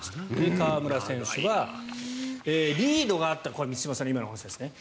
河村選手はリードがあったこれは満島さんの今のお話ですね